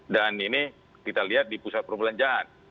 dan ini kita lihat di pusat perbelanjaan